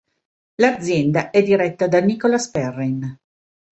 L'azienda è diretta da Nicolas Perrin.